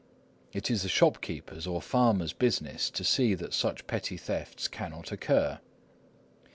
It is the shopkeeper's or farmer's business to see that such petty thefts cannot occur.